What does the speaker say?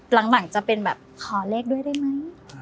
หลังจะเป็นแบบขอเลขด้วยได้ไหม